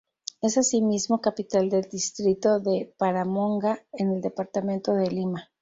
Es asimismo capital del distrito de Paramonga en el departamento de Lima.